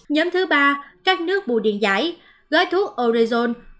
nhóm thứ ba các nước bù điện giải gói thuốc orezon